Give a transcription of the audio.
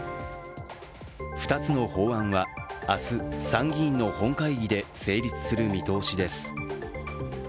２つの法案は明日、参議院の本会議で成立する見通しです。